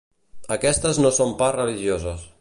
Aquestes no són pas religioses.